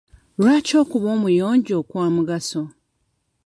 Lwaki okuba omuyonjo kwa mugaso?